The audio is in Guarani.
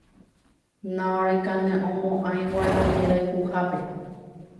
Naorekaneʼõmoʼãi Guarani rayhupápe.